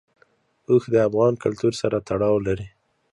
اوښ د افغان کلتور سره تړاو لري.